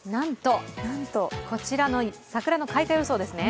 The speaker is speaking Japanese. なんと、こちらの桜の開花予想ですね。